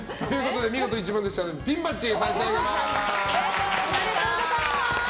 見事１番でしたのでピンバッジ差し上げます。